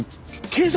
警察！？